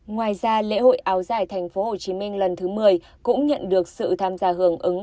ngoài ra lễ hội áo giải tp hcm lần thứ một mươi cũng nhận được sự tham gia hưởng ứng